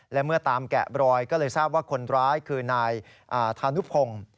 และเมื่อตามแกะบรอยก็เลยทราบว่าคนร้ายคือนายธานุพงศ์